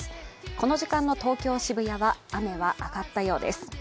この時間の東京・渋谷は、雨は上がったようです。